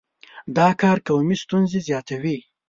دا کار قومي ستونزې زیاتوي.